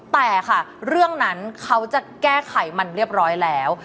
แต่ค่ะเรื่องนั้นเขาจะแก้ไขมันเรียบร้อยแล้ว